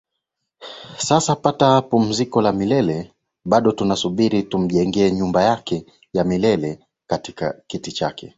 sasa kapata pumziko la milele bado tunasubiri tumjengee nyumba yake ya milele Kiti chake